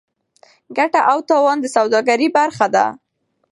ګټه او تاوان د سوداګرۍ برخه ده.